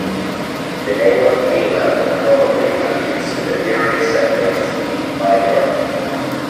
The name of Vinland probably alludes to the early settlers' vineyards.